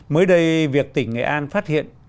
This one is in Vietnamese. mới đây việc tỉnh nghệ an phát hiện